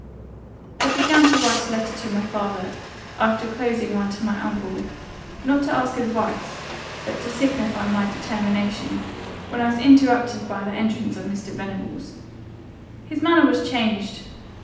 "I began to write a letter to my father, after closing one to my uncle; not to ask advice, but to signify my determination; when I was interrupted by the entrance of Mr. Venables. His manner was changed.